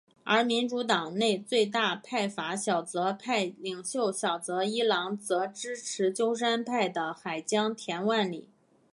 而民主党内最大派阀小泽派领袖小泽一郎则支持鸠山派的海江田万里。